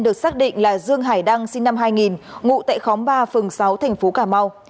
được xác định là dương hải đăng sinh năm hai nghìn ngụ tại khóm ba phường sáu thành phố cà mau